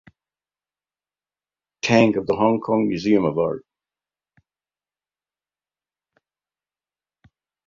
Tsang of the Hong Kong Museum of Art.